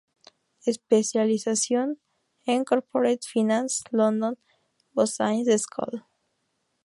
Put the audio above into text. Especialización en Corporate Finance, London Business School.